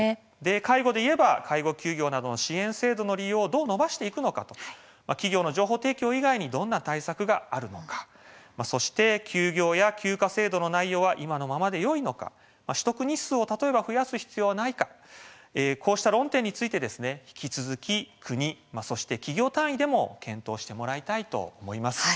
介護でいえば介護休業などの支援制度の利用をどうしていくのか企業の情報提供以外にどんな対策があるのかそして休業や休暇制度の内容は今のままでいいのか例えば取得日数を増やす必要はないのかこうした論点について引き続き国、そして企業単位でも検討してもらいたいと思います。